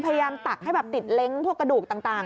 พยายามตักให้ติดเล้งพวกกระดูกต่าง